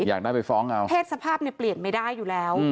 อยากได้ไปฟ้องเอาเพศสภาพเนี่ยเปลี่ยนไม่ได้อยู่แล้ว